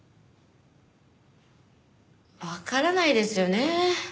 わからないですよね。